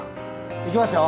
いきますよ！